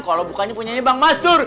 kalo bukannya punya bang mastur